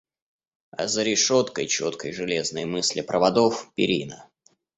А за решеткой четкой железной мысли проводов — перина.